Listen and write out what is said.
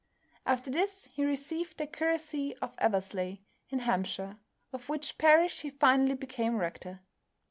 After this he received the curacy of Eversley, in Hampshire, of which parish he finally became rector.